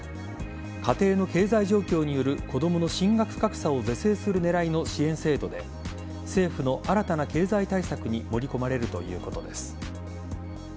家庭の経済状況による子供の進学格差を是正する狙いの支援制度で政府の新たな経済対策に盛り込まれるということです。